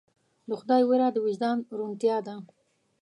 د خدای ویره د وجدان روڼتیا ده.